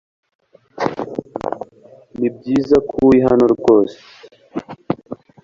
Nibyiza ko uri hano ryose